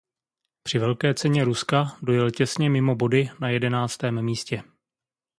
Při Velké ceně Ruska dojel těsně mimo body na jedenáctém místě.